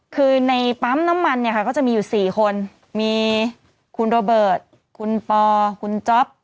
คือในปั๊มน้ำมันเนี่ยค่ะก็จะมีอยู่๔คนมีคุณโรเบิร์ตคุณปอคุณจ๊อป